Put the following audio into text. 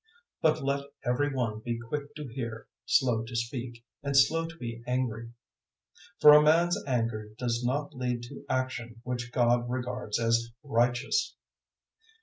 But let every one be quick to hear, slow to speak, and slow to be angry. 001:020 For a man's anger does not lead to action which God regards as righteous.